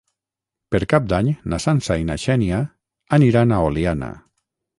Per Cap d'Any na Sança i na Xènia aniran a Oliana.